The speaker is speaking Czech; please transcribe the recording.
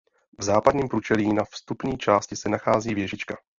V západním průčelí na vstupní částí se nachází věžička.